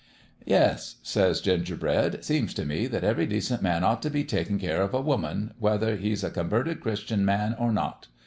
"' Yes,' says Gingerbread ;' seems t' me that every decent man ought t' be takin' care of a woman, whether he's a converted Christian man or not.